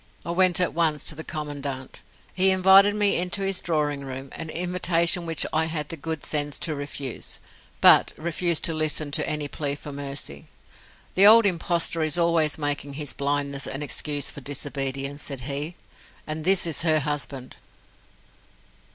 I went at once to the Commandant. He invited me into his drawing room an invitation which I had the good sense to refuse but refused to listen to any plea for mercy. "The old impostor is always making his blindness an excuse for disobedience," said he. And this is her husband.